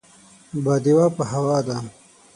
باديوه په هوا ده.